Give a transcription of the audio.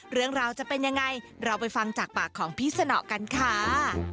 เรื่องราวจะเป็นยังไงเราไปฟังจากปากของพี่สนอกันค่ะ